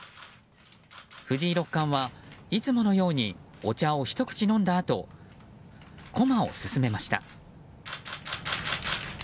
藤井六冠はいつものようにお茶をひと口飲んだあと駒を進めました。